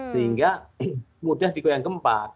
sehingga mudah dikoyang gempa